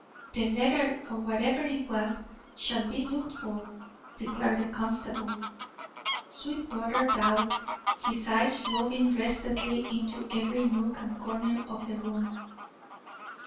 "The letter, or whatever it was, shall be looked for," declared the constable. Sweetwater bowed, his eyes roving restlessly into every nook and corner of the room.